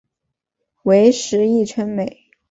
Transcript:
为时议称美。